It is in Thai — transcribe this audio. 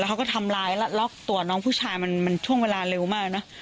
เขาก็ทำร้ายแล้วล็อกตัวน้องผู้ชายมันช่วงเวลาเร็วมากนะ